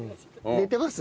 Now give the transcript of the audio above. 寝てます？